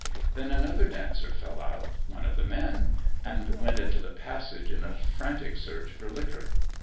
Then another dancer fell out—one of the men—and went into the passage, in a frantic search for liquor.